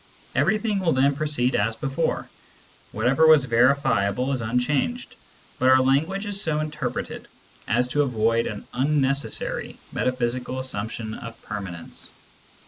Everything will then proceed as before : whatever was verifiable is unchanged, but our language is so interpreted as to avoid an unnecessary metaphysical assumption of permanence.